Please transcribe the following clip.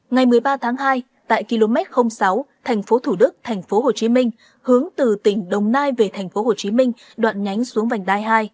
ngày một mươi ba tháng hai tại km sáu thành phố thủ đức thành phố hồ chí minh hướng từ tỉnh đồng nai về thành phố hồ chí minh đoạn nhánh xuống vành đai hai